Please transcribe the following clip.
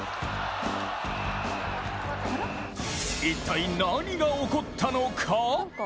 一体何が起こったのか。